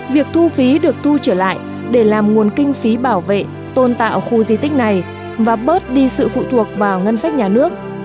việc thu phí được tu trở lại để làm nguồn kinh phí bảo vệ tôn tạo khu di tích này và bớt đi sự phụ thuộc vào ngân sách nhà nước